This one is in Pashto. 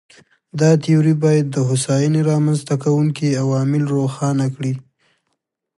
دا تیوري باید د هوساینې رامنځته کوونکي عوامل روښانه کړي.